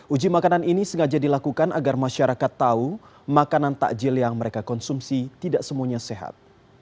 uji makanan ini sengaja dilakukan agar masyarakat tahu makanan takjil yang mereka konsumsi tidak semuanya sehat